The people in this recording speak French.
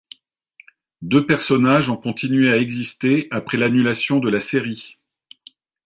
Deux personnages ont continué à exister après l'annulation de la série.